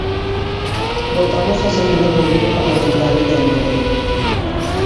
Votamos as emendas do Grupo Parlamentario de En Marea.